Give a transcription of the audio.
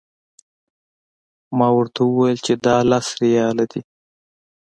ما ورته وویل چې دا لس ریاله دي.